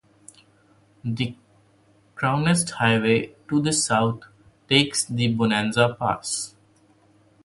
The Crowsnest Highway to the south takes the Bonanza Pass.